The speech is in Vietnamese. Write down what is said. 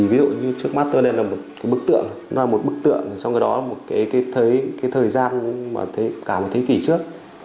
ví dụ như trước mắt tôi đây là một bức tượng nó là một bức tượng trong cái đó là một cái thời gian cả một thế kỷ trước